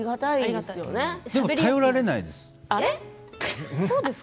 でも頼られないです。